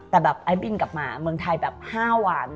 แต่แบบไอ้บินกลับมาเมืองไทยแบบ๕วัน